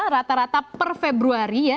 rata rata per februari ya